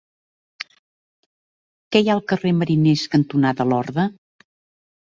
Què hi ha al carrer Mariners cantonada Lorda?